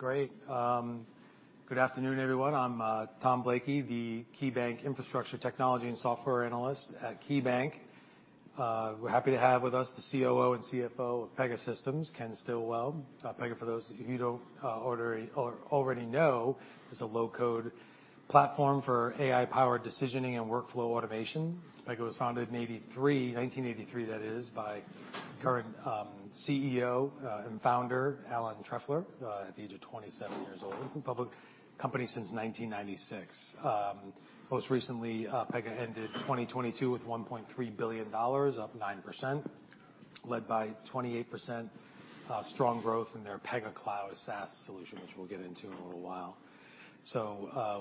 Great. Good afternoon, everyone. I'm Tom Blakey, the KeyBanc infrastructure technology and software analyst at KeyBanc. We're happy to have with us the COO and CFO of Pegasystems, Ken Stillwell. Pega, for those of you who don't already know, is a low-code platform for AI-powered decisioning and workflow automation. Pega was founded in 83, 1983 that is, by current CEO and founder Alan Trefler, at the age of 27 years old, and public company since 1996. Most recently, Pega ended 2022 with $1.3 billion, up 9%, led by 28% strong growth in their Pega Cloud SaaS solution, which we'll get into in a little while.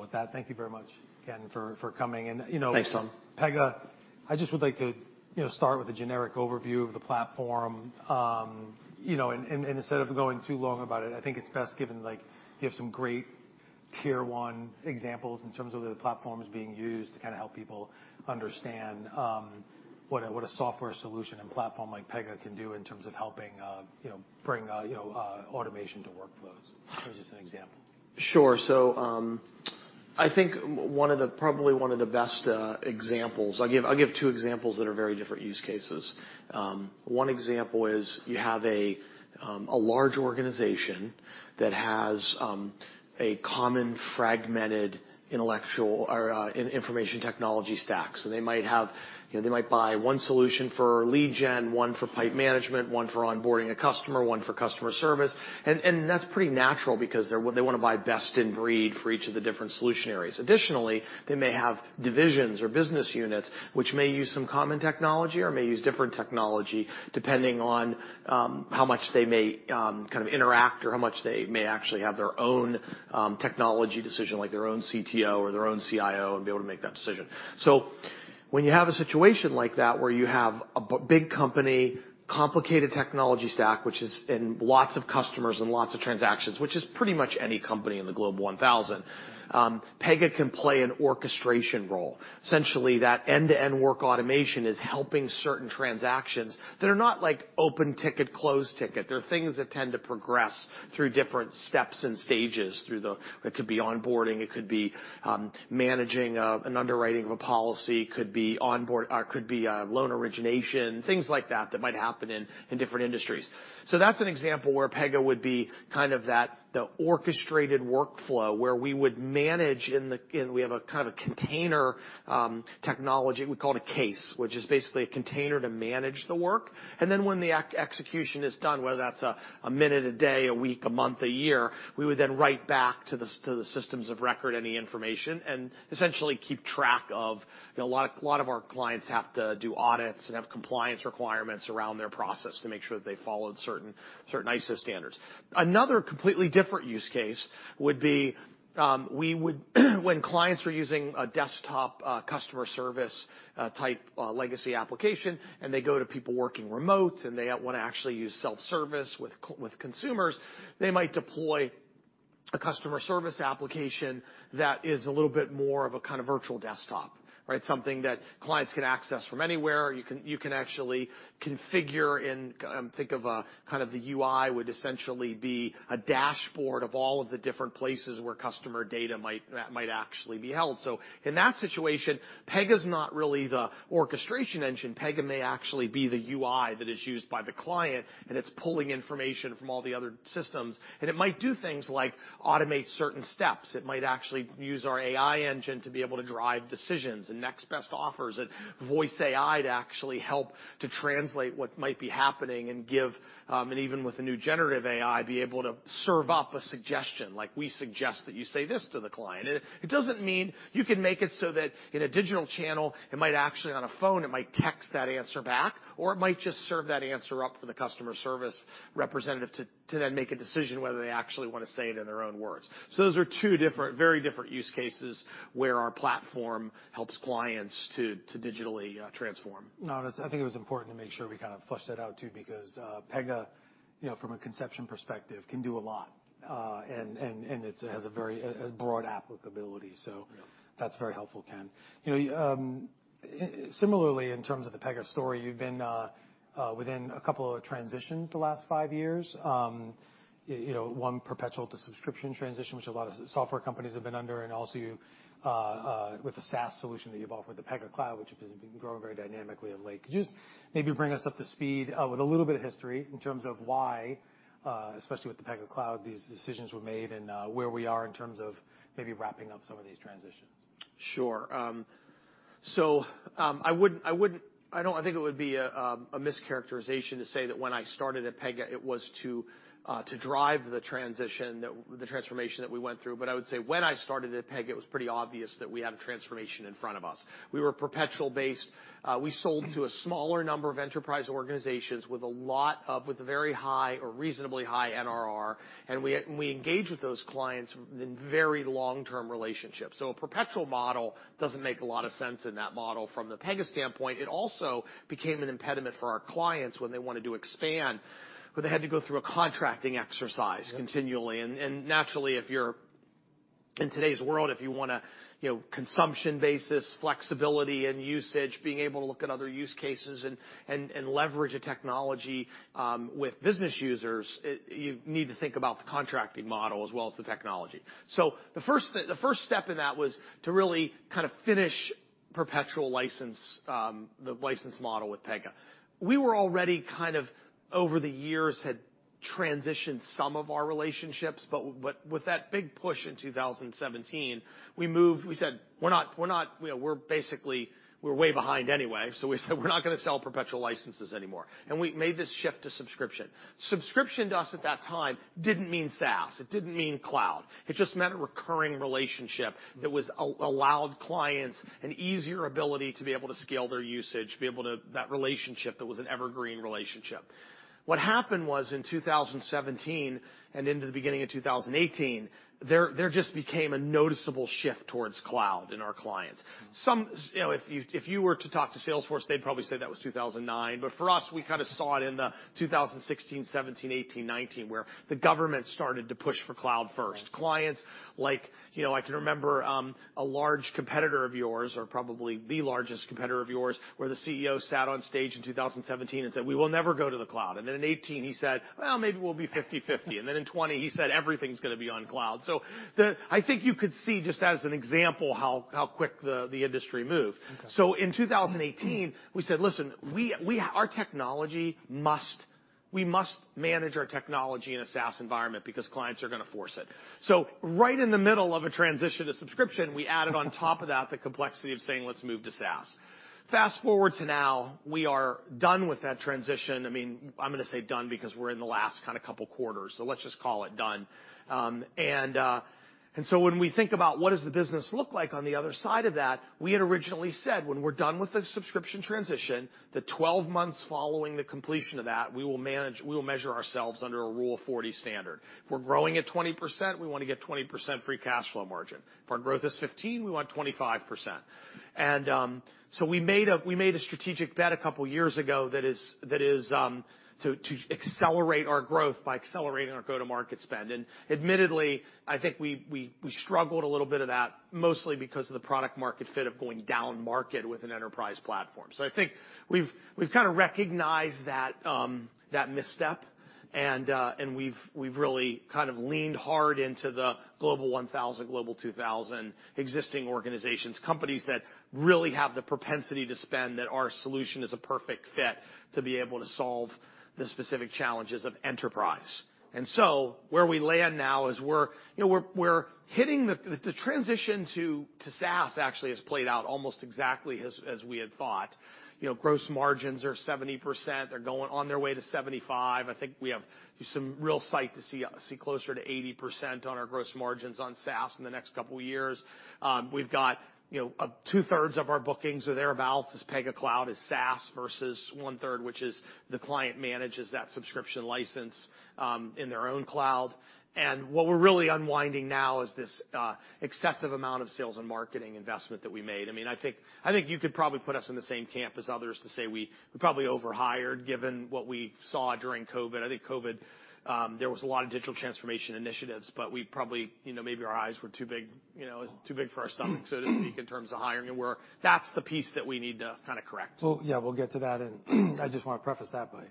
With that, thank you very much, Ken, for coming and, you know- Thanks, Tom. Pega, I just would like to, you know, start with a generic overview of the platform. You know, and instead of going too long about it, I think it's best given, like, you have some great tier one examples in terms of where the platform is being used to kind of help people understand, what a, what a software solution and platform like Pega can do in terms of helping, you know, bring, you know, automation to workflows, as just an example. Sure. I think probably one of the best examples. I'll give two examples that are very different use cases. One example is you have a large organization that has a common fragmented intellectual or information technology stack. They might have, you know, they might buy one solution for lead gen, one for pipe management, one for onboarding a customer, one for customer service. And that's pretty natural because they wanna buy best in breed for each of the different solution areas. Additionally, they may have divisions or business units which may use some common technology or may use different technology depending on how much they may kind of interact or how much they may actually have their own technology decision, like their own CTO or their own CIO and be able to make that decision. When you have a situation like that, where you have a big company, complicated technology stack, which is in lots of customers and lots of transactions, which is pretty much any company in the Global 1000, Pega can play an orchestration role. Essentially, that end-to-end workflow automation is helping certain transactions that are not like open ticket, close ticket. They're things that tend to progress through different steps and stages through the... It could be onboarding, it could be managing of an underwriting of a policy, could be a loan origination, things like that that might happen in different industries. That's an example where Pega would be kind of that, the orchestrated workflow where we would manage in, we have a kind of container technology. We call it a case, which is basically a container to manage the work. Then when the execution is done, whether that's a minute, a day, a week, a month, a year, we would then write back to the systems of record any information and essentially keep track of, you know, a lot of our clients have to do audits and have compliance requirements around their process to make sure that they followed certain ISO standards. Another completely different use case would be, when clients are using a desktop, customer service, type, legacy application, and they go to people working remote, and they wanna actually use self-service with consumers, they might deploy a customer service application that is a little bit more of a kind of virtual desktop, right? Something that clients can access from anywhere. You can actually configure and think of, kind of the UI would essentially be a dashboard of all of the different places where customer data might actually be held. In that situation, Pega's not really the orchestration engine. Pega may actually be the UI that is used by the client, and it's pulling information from all the other systems. It might do things like automate certain steps. It might actually use our AI engine to be able to drive decisions and next best offers. A voice AI to actually help to translate what might be happening and give, and even with the new generative AI, be able to serve up a suggestion, like, "We suggest that you say this to the client." It doesn't mean you can make it so that in a digital channel it might actually, on a phone, it might text that answer back, or it might just serve that answer up for the customer service representative to then make a decision whether they actually wanna say it in their own words. Those are two different, very different use cases where our platform helps clients to digitally transform. No, I think it was important to make sure we kind of flushed that out too because Pega, you know, from a conception perspective, can do a lot, and has a very broad applicability. Yeah. That's very helpful, Ken. You know, similarly, in terms of the Pega story, you've been within a couple of transitions the last five years. You know, one perpetual to subscription transition, which a lot of software companies have been under, and also you with the SaaS solution that you've offered with the Pega Cloud, which has been growing very dynamically of late. Could you just maybe bring us up to speed with a little bit of history in terms of why especially with the Pega Cloud, these decisions were made and where we are in terms of maybe wrapping up some of these transitions? Sure. I think it would be a mischaracterization to say that when I started at Pega, it was to drive the transformation that we went through. I would say when I started at Pega, it was pretty obvious that we had a transformation in front of us. We were perpetual based. We sold to a smaller number of enterprise organizations with a lot of, with very high or reasonably high NRR, and we engaged with those clients in very long-term relationships. A perpetual model doesn't make a lot of sense in that model from the Pega standpoint. It also became an impediment for our clients when they wanted to expand, but they had to go through a contracting exercise continually. Naturally, in today's world, if you wanna, you know, consumption basis, flexibility and usage, being able to look at other use cases and leverage a technology with business users, you need to think about the contracting model as well as the technology. The first step in that was to really kind of finish perpetual license, the license model with Pega. We were already kind of over the years had transitioned some of our relationships, but with that big push in 2017, we said, "We're not, you know, we're basically we're way behind anyway." We said, "We're not gonna sell perpetual licenses anymore." We made this shift to subscription. Subscription to us at that time didn't mean SaaS, it didn't mean cloud. It just meant a recurring relationship that was allowed clients an easier ability to be able to scale their usage, be able to. That relationship that was an evergreen relationship. What happened was, in 2017 and into the beginning of 2018, there just became a noticeable shift towards cloud in our clients. Some, you know, if you, if you were to talk to Salesforce, they'd probably say that was 2009. For us, we kind of saw it in the 2016, 2017, 2018, 2019, where the government started to push for cloud first. Clients like, you know, I can remember, a large competitor of yours or probably the largest competitor of yours, where the CEO sat on stage in 2017 and said, "We will never go to the cloud." In 2018 he said, "Well, maybe we'll be 50/50." In 2020, he said, "Everything's gonna be on cloud." I think you could see just as an example, how quick the industry moved. Okay. In 2018, we said, "Listen, we... Our technology must manage our technology in a SaaS environment because clients are gonna force it." Right in the middle of a transition to subscription, we added on top of that the complexity of saying, "Let's move to SaaS." Fast-forward to now, we are done with that transition. I mean, I'm gonna say done because we're in the last kinda couple quarters, so let's just call it done. When we think about what does the business look like on the other side of that, we had originally said, when we're done with the subscription transition, the 12 months following the completion of that, we will measure ourselves under a Rule of 40 standard. If we're growing at 20%, we wanna get 20% free cash flow margin. If our growth is 15, we want 25%. We made a strategic bet a couple years ago that is to accelerate our growth by accelerating our go-to-market spend. Admittedly, I think we struggled a little bit of that, mostly because of the product market fit of going down market with an enterprise platform. I think we've kinda recognized that misstep, and we've really kind of leaned hard into the Global 1000, Global 2000 existing organizations. Companies that really have the propensity to spend that our solution is a perfect fit to be able to solve the specific challenges of enterprise. Where we land now is we're, you know, we're hitting the transition to SaaS actually has played out almost exactly as we had thought. You know, gross margins are 70%. They're going on their way to 75%. I think we have some real sight to see closer to 80% on our gross margins on SaaS in the next couple years. We've got, you know, two-thirds of our bookings or thereabout as Pega Cloud is SaaS versus one-third, which is the client manages that subscription license in their own cloud. What we're really unwinding now is this excessive amount of sales and marketing investment that we made. I mean, I think you could probably put us in the same camp as others to say we probably overhired, given what we saw during COVID. I think COVID, there was a lot of digital transformation initiatives, but we probably, you know, maybe our eyes were too big, you know, it was too big for our stomach, so to speak, in terms of hiring, and That's the piece that we need to kinda correct. Well, yeah, we'll get to that and I just wanna preface that by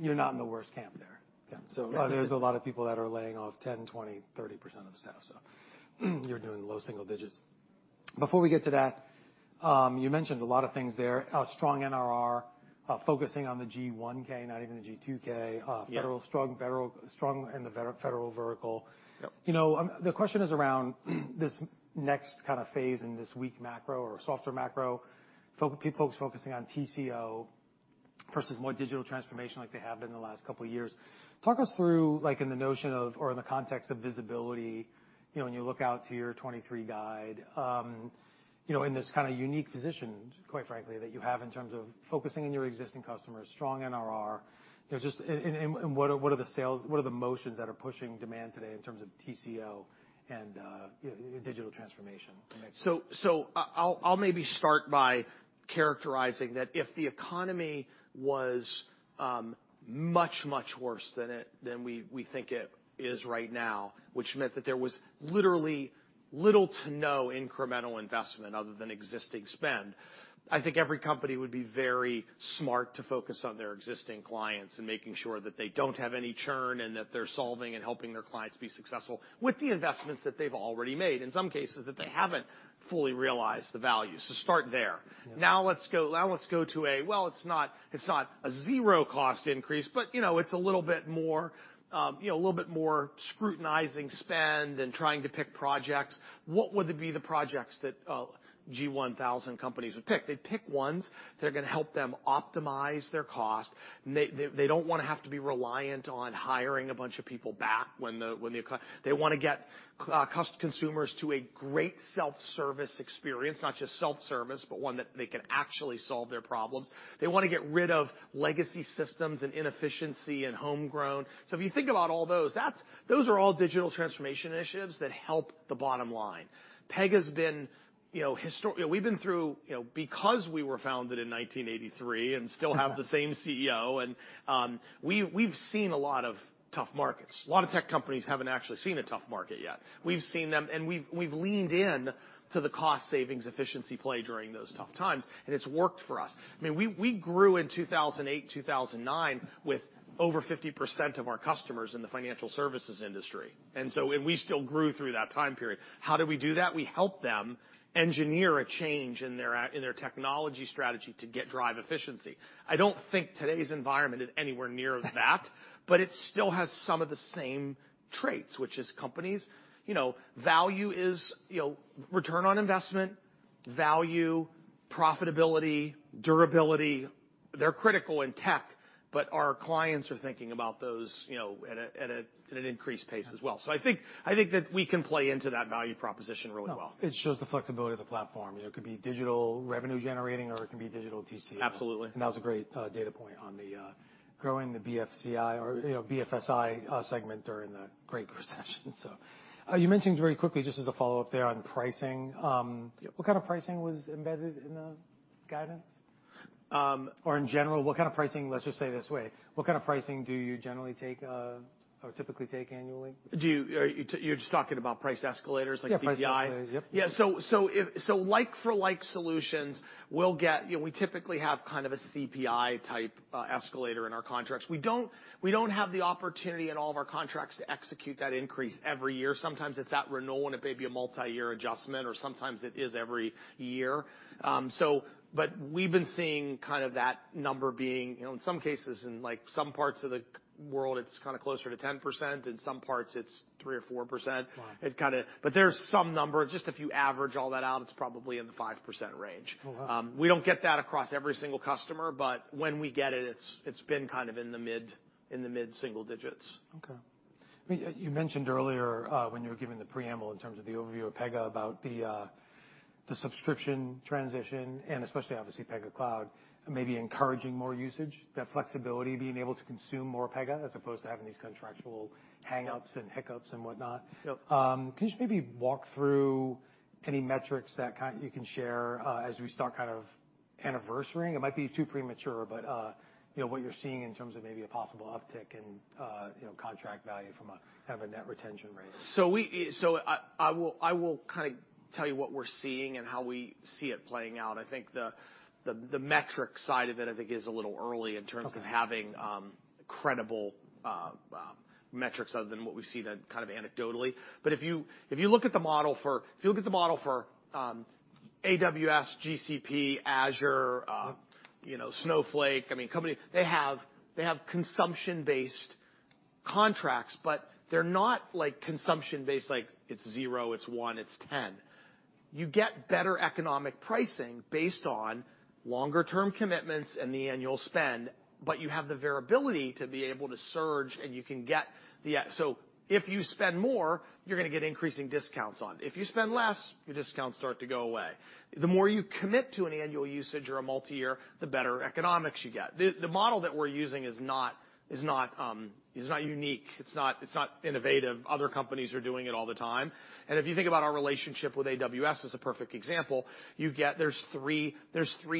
you're not in the worst camp there. Yeah. There's a lot of people that are laying off 10%, 20%, 30% of staff, so you're doing low single digits. Before we get to that, you mentioned a lot of things there. A strong NRR, focusing on the G1K, not even the G2K. Yeah. Federal strong federal, strong in the federal vertical. Yep. You know, the question is around this next kinda phase in this weak macro or softer macro, folks focusing on TCO versus more digital transformation like they have been in the last couple years. Talk us through, like in the notion of or in the context of visibility, you know, when you look out to your 2023 guide, you know, in this kinda unique position, quite frankly, that you have in terms of focusing on your existing customers, strong NRR. You know, just what are the sales, what are the motions that are pushing demand today in terms of TCO and, you know, digital transformation? I'll maybe start by characterizing that if the economy was much, much worse than it, than we think it is right now, which meant that there was literally little to no incremental investment other than existing spend, I think every company would be very smart to focus on their existing clients and making sure that they don't have any churn and that they're solving and helping their clients be successful with the investments that they've already made, in some cases that they haven't fully realized the value. Start there. Yeah. Now let's go to a, well, it's not, it's not a zero-cost increase, but you know, it's a little bit more, you know, a little bit more scrutinizing spend and trying to pick projects. What would be the projects that G1000 companies would pick? They'd pick ones that are gonna help them optimize their cost. They don't wanna have to be reliant on hiring a bunch of people back. They wanna get consumers to a great self-service experience. Not just self-service, but one that they can actually solve their problems. They wanna get rid of legacy systems and inefficiency and homegrown. If you think about all those, that's, those are all digital transformation initiatives that help the bottom line. Pega's been, you know, we've been through, you know, because we were founded in 1983 and still have the same CEO, we've seen a lot of tough markets. A lot of tech companies haven't actually seen a tough market yet. We've seen them and we've leaned in to the cost savings efficiency play during those tough times, and it's worked for us. I mean, we grew in 2008, 2009 with over 50% of our customers in the financial services industry. We still grew through that time period. How did we do that? We helped them engineer a change in their technology strategy to get drive efficiency. I don't think today's environment is anywhere near that, but it still has some of the same traits, which is companies, you know, value is, you know, return on investment, value, profitability, durability, they're critical in tech, but our clients are thinking about those, you know, at an increased pace as well. I think, I think that we can play into that value proposition really well. No, it shows the flexibility of the platform. You know, it could be digital revenue-generating, or it can be digital TCO. Absolutely. That was a great, data point on the, growing the BFSI or, you know, BFSI, segment during the Great Recession, so. You mentioned very quickly just as a follow-up there on pricing. Yeah... what kind of pricing was embedded in the guidance? In general, what kind of pricing, let's just say it this way, what kind of pricing do you generally take, or typically take annually? Are you just talking about price escalators like CPI? Yep. Yeah. like for like solutions, we'll get, you know, we typically have kind of a CPI-type escalator in our contracts. We don't have the opportunity in all of our contracts to execute that increase every year. Sometimes it's at renewal, and it may be a multi-year adjustment, or sometimes it is every year. But we've been seeing kind of that number being, you know, in some cases in, like, some parts of the world, it's kind of closer to 10%. In some parts, it's 3% or 4%. Wow. There's some number. Just if you average all that out, it's probably in the 5% range. Oh, wow. We don't get that across every single customer, but when we get it's been kind of in the mid-single digits. Okay. I mean, you mentioned earlier, when you were giving the preamble in terms of the overview of Pega about the subscription transition and especially obviously Pega Cloud maybe encouraging more usage, that flexibility being able to consume more Pega as opposed to having these contractual hangouts and hiccups and whatnot. Yep. Can you just maybe walk through any metrics that you can share, as we start kind of anniversarying? It might be too premature, but, you know, what you're seeing in terms of maybe a possible uptick in, you know, contract value from a net retention rate? I, so I will kind of tell you what we're seeing and how we see it playing out. I think the metric side of it, I think, is a little early in terms- Okay... of having credible metrics other than what we see the kind of anecdotally. If you look at the model for AWS, GCP, Azure, you know, Snowflake, I mean, company, they have consumption-based contracts, but they're not like consumption-based like it's 0, it's 1, it's 10. You get better economic pricing based on longer term commitments and the annual spend, but you have the variability to be able to surge, and you can get so if you spend more, you're gonna get increasing discounts on. If you spend less, your discounts start to go away. The more you commit to an annual usage or a multiyear, the better economics you get. The model that we're using is not unique. It's not innovative. Other companies are doing it all the time. If you think about our relationship with AWS as a perfect example, you get there's 3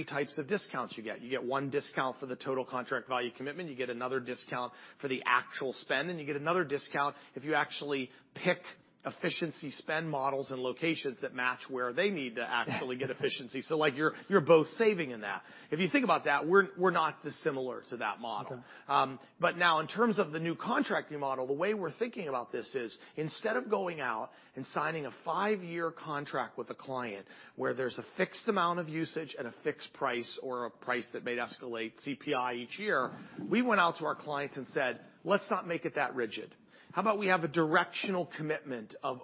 types of discounts you get. You get 1 discount for the total contract value commitment, you get another discount for the actual spend, and you get another discount if you actually pick efficiency spend models and locations that match where they need to actually get efficiency. Like, you're both saving in that. If you think about that, we're not dissimilar to that model. Okay. Now in terms of the new contracting model, the way we're thinking about this is instead of going out and signing a 5-year contract with a client where there's a fixed amount of usage at a fixed price or a price that may escalate CPI each year, we went out to our clients and said, "Let's not make it that rigid. How about we have a directional commitment of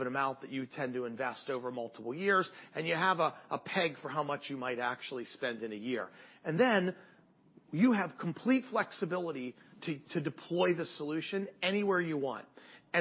an amount that you tend to invest over multiple years, and you have a peg for how much you might actually spend in a year? And then you have complete flexibility to deploy the solution anywhere you want.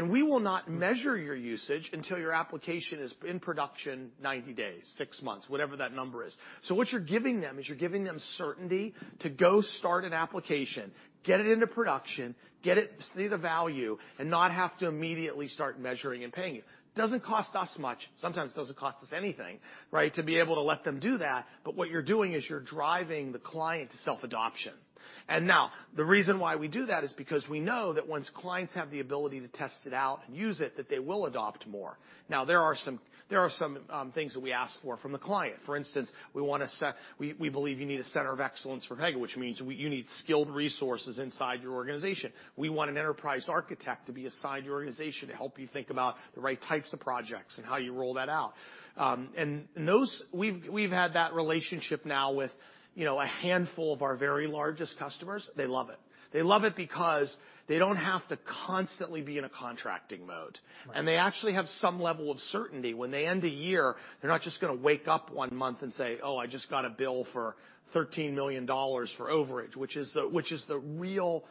We will not measure your usage until your application is in production 90 days, 6 months, whatever that number is. What you're giving them is you're giving them certainty to go start an application, get it into production, see the value, and not have to immediately start measuring and paying you. Doesn't cost us much. Sometimes doesn't cost us anything, right? To be able to let them do that, but what you're doing is you're driving the client to self-adoption. The reason why we do that is because we know that once clients have the ability to test it out and use it, that they will adopt more. There are some things that we ask for from the client. For instance, we wanna set... We believe you need a center of excellence for Pega, which means you need skilled resources inside your organization. We want an enterprise architect to be assigned to your organization to help you think about the right types of projects and how you roll that out. Those, we've had that relationship now with, you know, a handful of our very largest customers. They love it. They love it because they don't have to constantly be in a contracting mode. Right. They actually have some level of certainty. When they end a year, they're not just gonna wake up one month and say, "Oh, I just got a bill for $13 million for overage, which is the real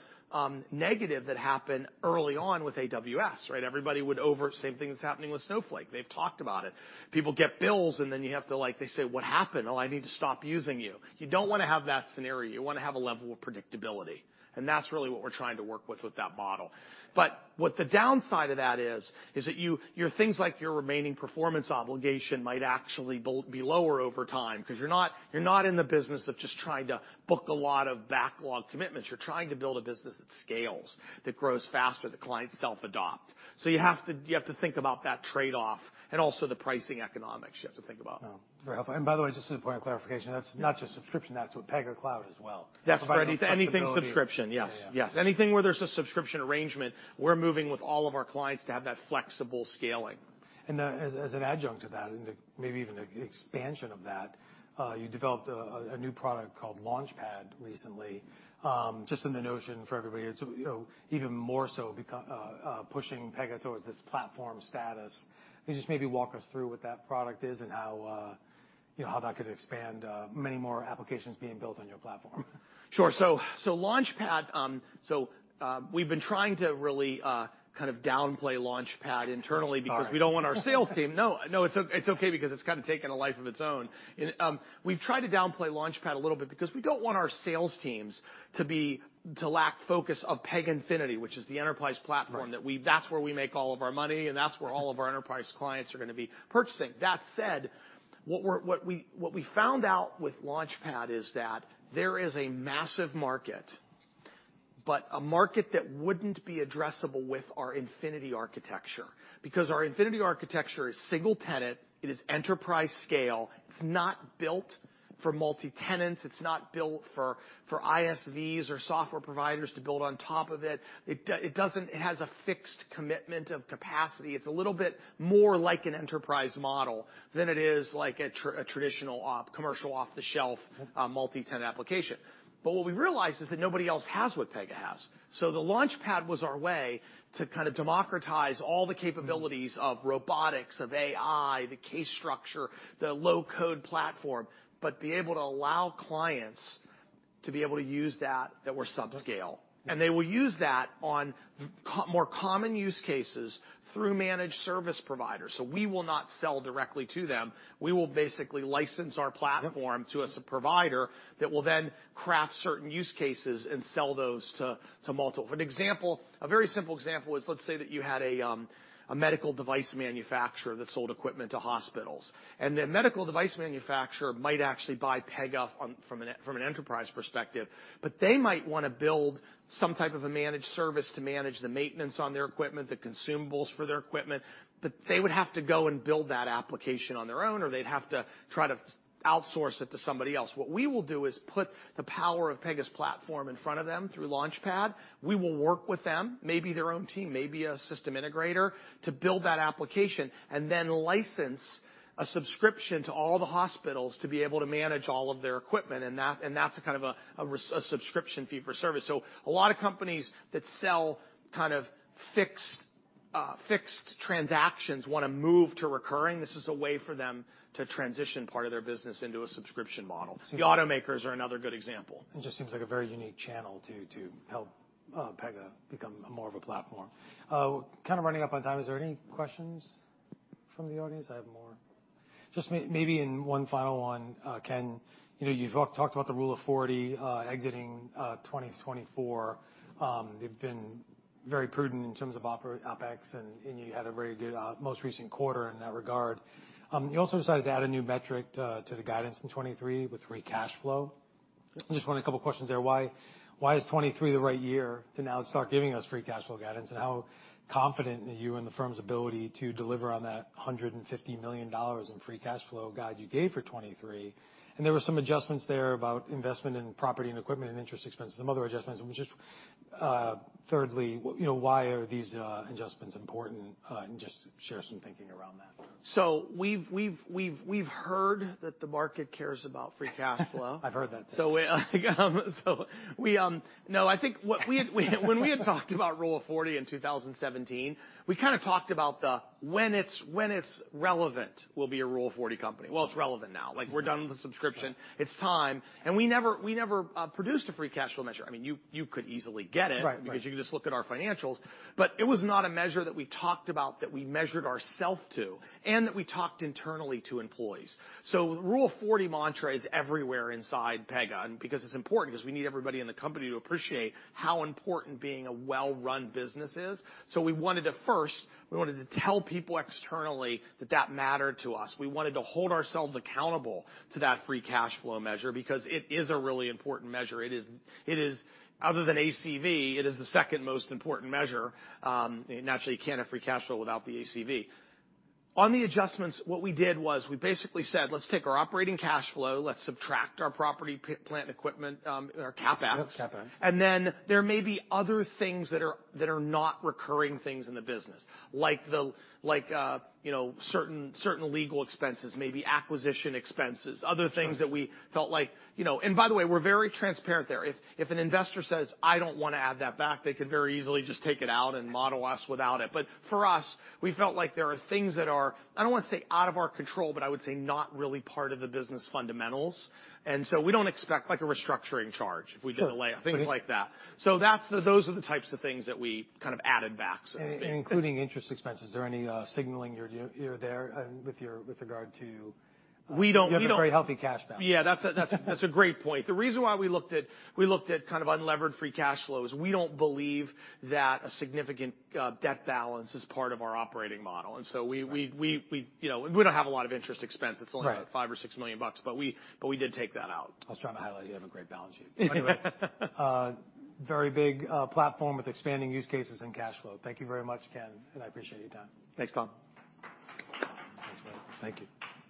negative that happened early on with AWS, right?" Same thing that's happening with Snowflake. They've talked about it. People get bills, you have to, like, they say, "What happened? Oh, I need to stop using you." You don't wanna have that scenario. You wanna have a level of predictability, that's really what we're trying to work with that model. What the downside of that is that you, your things like your remaining performance obligation might actually be lower over time 'cause you're not, you're not in the business of just trying to book a lot of backlog commitments. You're trying to build a business that scales, that grows faster, the clients self-adopt. You have to, you have to think about that trade-off and also the pricing economics you have to think about. Oh, very helpful. By the way, just as a point of clarification, that's not just subscription, that's with Pega Cloud as well. That's right. It's anything subscription. Flexibility. Yes. Yeah, yeah. Yes. Anything where there's a subscription arrangement, we're moving with all of our clients to have that flexible scaling. As, as an adjunct to that and maybe even an expansion of that, you developed a new product called Launchpad recently. Just in the notion for everybody, it's, you know, even more so pushing Pega towards this platform status. Can you just maybe walk us through what that product is and how, you know, how that could expand many more applications being built on your platform? Sure. Launchpad, we've been trying to really kind of downplay Launchpad internally. Sorry No, no, it's okay because it's kind of taken a life of its own. We've tried to downplay Launchpad a little bit because we don't want our sales teams to lack focus of Pega Infinity, which is the enterprise platform. Right... that's where we make all of our money, and that's where all of our enterprise clients are gonna be purchasing. That said, what we found out with Pega Launchpad is that there is a massive market. A market that wouldn't be addressable with our Pega Infinity architecture because our Pega Infinity architecture is single-tenant, it is enterprise scale, it's not built for multi-tenants, it's not built for ISVs or software providers to build on top of it. It doesn't. It has a fixed commitment of capacity. It's a little bit more like an enterprise model than it is like a traditional commercial off-the-shelf multi-tenant application. What we realized is that nobody else has what Pega has. The LaunchPad was our way to kind of democratize all the capabilities of robotics, of AI, the case structure, the low-code platform, but be able to allow clients to be able to use that were subscale. They will use that on more common use cases through managed service providers. We will not sell directly to them. We will basically license our platform to a service provider that will then craft certain use cases and sell those to multiple. For example, a very simple example is, let's say that you had a medical device manufacturer that sold equipment to hospitals. The medical device manufacturer might actually buy Pega from an enterprise perspective, but they might want to build some type of a managed service to manage the maintenance on their equipment, the consumables for their equipment. They would have to go and build that application on their own, or they'd have to try to outsource it to somebody else. What we will do is put the power of Pega's platform in front of them through Launchpad. We will work with them, maybe their own team, maybe a system integrator, to build that application and then license a subscription to all the hospitals to be able to manage all of their equipment. That's a kind of a subscription fee for service. A lot of companies that sell kind of fixed transactions wanna move to recurring. This is a way for them to transition part of their business into a subscription model. The automakers are another good example. It just seems like a very unique channel to help Pega become more of a platform. We're kind of running up on time. Is there any questions from the audience? I have more. Just maybe and one final one, Ken. You know, you talked about the Rule of 40, exiting 2024. You've been very prudent in terms of OpEx, and you had a very good, most recent quarter in that regard. You also decided to add a new metric to the guidance in '23 with free cash flow. Just want a couple questions there. Why is '23 the right year to now start giving us free cash flow guidance? How confident are you in the firm's ability to deliver on that $150 million in free cash flow guide you gave for '23? There were some adjustments there about investment in property and equipment and interest expenses, some other adjustments. Just, thirdly, you know, why are these adjustments important? Just share some thinking around that. We've heard that the market cares about free cash flow. I've heard that too. No, I think what we when we had talked about Rule of 40 in 2017, we kind of talked about the, when it's relevant, we'll be a Rule of 40 company. Well, it's relevant now. Like, we're done with the subscription. It's time. We never produced a free cash flow measure. I mean, you could easily get it. Right. You can just look at our financials. It was not a measure that we talked about that we measured ourselves to and that we talked internally to employees. The Rule of 40 mantra is everywhere inside Pega, and because it's important, because we need everybody in the company to appreciate how important being a well-run business is. We wanted to first, we wanted to tell people externally that that mattered to us. We wanted to hold ourselves accountable to that free cash flow measure because it is a really important measure. It is, other than ACV, it is the second most important measure. Naturally, you can't have free cash flow without the ACV. On the adjustments, what we did was we basically said, "Let's take our operating cash flow, let's subtract our property, plant equipment, our CapEx. CapEx. There may be other things that are, that are not recurring things in the business, like the, like, you know, certain legal expenses, maybe acquisition expenses, other things that we felt like, you know. By the way, we're very transparent there. If an investor says, "I don't wanna add that back," they could very easily just take it out and model us without it. For us, we felt like there are things that are, I don't want to say out of our control, but I would say not really part of the business fundamentals. We don't expect like a restructuring charge if we did a layoff, things like that. That's the, those are the types of things that we kind of added back, so to speak. Including interest expense. Is there any signaling you're there with regard to. We don't. You have a very healthy cash now. Yeah, that's a great point. The reason why we looked at kind of unlevered free cash flow is we don't believe that a significant debt balance is part of our operating model. We, you know, we don't have a lot of interest expense. Right. It's only $5 million or $6 million, but we did take that out. I was trying to highlight you have a great balance sheet. Anyway, very big platform with expanding use cases and cash flow. Thank you very much, Ken, and I appreciate your time. Thanks, Tom. Thanks, buddy. Thank you.